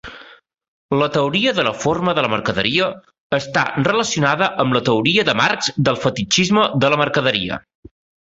La teoria de la forma de la mercaderia està relacionada amb la teoria de Marx del fetitxisme de la mercaderia.